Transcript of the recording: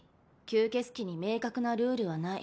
吸血鬼に明確なルールはない。